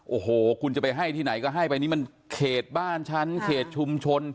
โอ้โหคุณจะไปให้ที่ไหนก็ให้ไปนี่มันเขตบ้านฉันเขตชุมชน